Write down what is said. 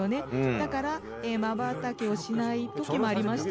だから、まばたきをしないときもありました。